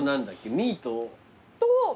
ミート。